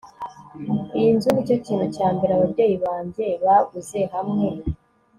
iyi nzu nicyo kintu cya mbere ababyeyi banjye baguze hamwe